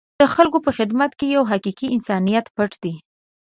د خلکو په خدمت کې یو حقیقي انسانیت پټ دی.